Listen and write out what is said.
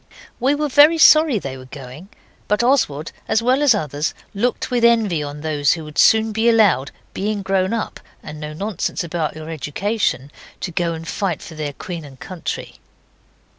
We were very sorry they were going, but Oswald, as well as others, looked with envy on those who would soon be allowed being grown up, and no nonsense about your education to go and fight for their Queen and country.